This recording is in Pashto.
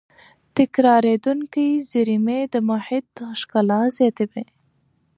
تکرارېدونکې زېرمې د محیط ښکلا زیاتوي.